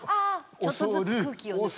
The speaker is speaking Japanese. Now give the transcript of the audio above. ちょっとずつ空気を抜く。